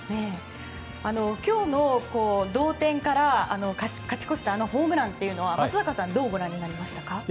今日の同点から勝ち越したあのホームランは松坂さんどうご覧になりましたか。